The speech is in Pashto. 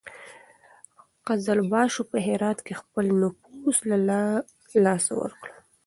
قزلباشو په هرات کې خپل نفوذ له لاسه ورکړ.